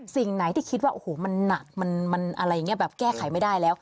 สิ่งไหนที่คิดว่ามันหนักมันอะไรแบบแก้ไขไม่ได้แล้ว